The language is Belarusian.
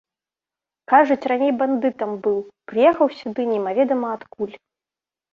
Кажуць, раней бандытам быў, прыехаў сюды немаведама адкуль.